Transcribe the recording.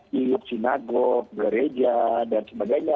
baik di masjid sinagog gereja dan sebagainya